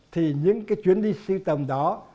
thì những chuyến đi sưu tầm đó